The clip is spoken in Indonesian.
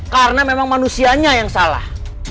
karena memang manusianya yang salah